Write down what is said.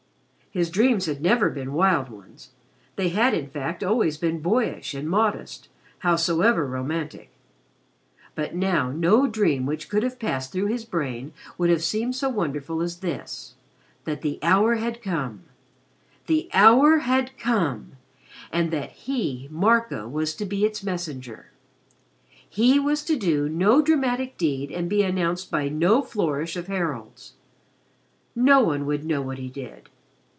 His dreams had never been wild ones they had in fact always been boyish and modest, howsoever romantic. But now no dream which could have passed through his brain would have seemed so wonderful as this that the hour had come the hour had come and that he, Marco, was to be its messenger. He was to do no dramatic deed and be announced by no flourish of heralds. No one would know what he did.